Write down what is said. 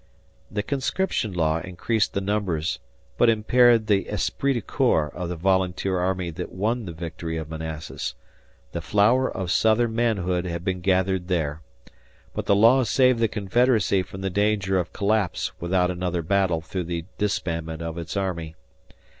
The conscription law increased the numbers but impaired the esprit de corps of the volunteer army that won the victory of Manassas, the flower of Southern manhood had been gathered there. But the law saved the Confederacy from the danger of collapse without another battle through the disbandment of its army.